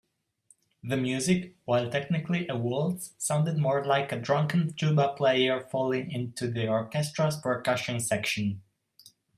The music, while technically a waltz, sounded more like a drunken tuba player falling into the orchestra's percussion section.